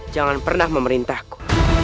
jangan pernah memerintahku